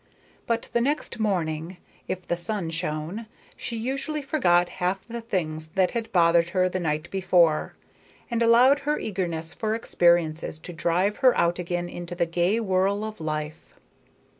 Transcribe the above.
But the next morning, if the sun shone, she usually forgot half the things that had bothered her the night before, and allowed her eagerness for experiences to drive her out again into the gay whirl of life.